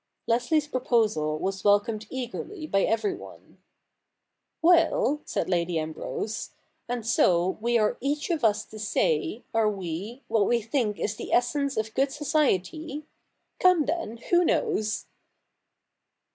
Leslie's proposal was welcomed eagerly by everyone. ' AVell,' said Lady Ambrose, ' and so we are each of us to say, are we, what wc think is the essence of gcxjd society? Come then, who knows